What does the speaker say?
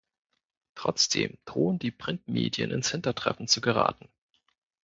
Trotzdem drohen die Printmedien ins Hintertreffen zu geraten.